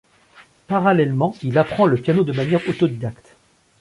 Parallèlement, il apprend le piano de manière autodidacte.